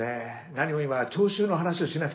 何も今徴収の話をしなくても。